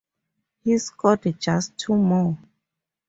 He scored just two more.